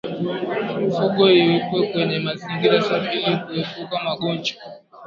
Mifugo iwekwe kwenye mazingira safi ili kuepuka magonjwa